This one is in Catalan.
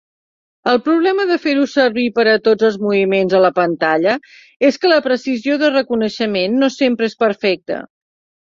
El problema de fer-ho servir per a tots els moviments a la pantalla és que la precisió de reconeixement no sempre és perfecta.